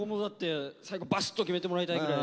最後バシッと決めてもらいたいぐらい。